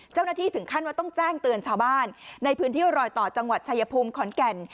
เจ้าหน้าที่ถึงขั้นว่าต้องแจ้งเตือนชาวบ้านในพื้นที่รอยต่อจังหวัดชายภูมิขอนแก่น